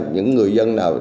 những người dân nào